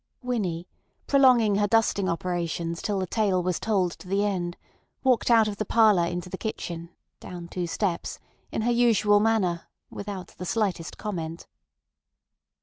Winnie, prolonging her dusting operations till the tale was told to the end, walked out of the parlour into the kitchen (down two steps) in her usual manner, without the slightest comment.